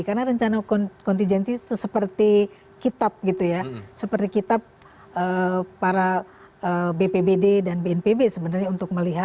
karena rencana kontijensi itu seperti kitab gitu ya seperti kitab para bpbd dan bnpb sebenarnya untuk melihat